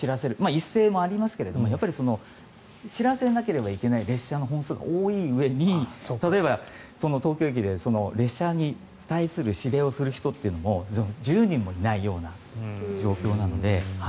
一斉もありますけど知らせなければいけない列車の本数が多いうえに、例えば東京駅で列車に対する指令をする人も１０人もいないような状況なので。